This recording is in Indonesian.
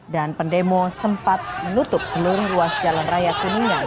dan pendemo sempat menutup seluruh ruas jalan raya tuningan